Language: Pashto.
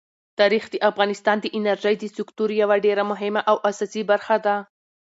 تاریخ د افغانستان د انرژۍ د سکتور یوه ډېره مهمه او اساسي برخه ده.